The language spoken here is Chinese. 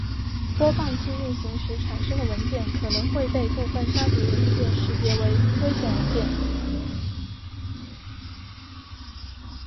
播放器运行时产生的文件可能会被部分杀毒软件识别为危险文件。